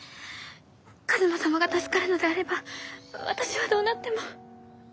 一馬様が助かるのであれば私はどうなっても。